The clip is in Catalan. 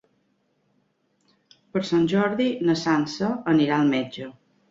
Per Sant Jordi na Sança anirà al metge.